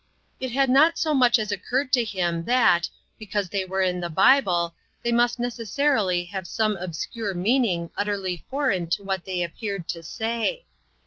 It had not so much as occurred to him that, because they were in the Bible, they must necessarily have some obscure meaning utterly foreign to what they appeared to say.